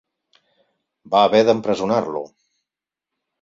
Va haver d'empresonar-lo.